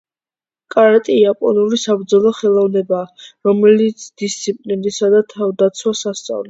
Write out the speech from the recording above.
კარატე იაპონური საბრძოლო ხელოვნებაა, რომელიც დისციპლინასა და თავდაცვას ასწავლის.